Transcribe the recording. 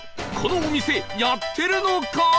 このお店やってるのか？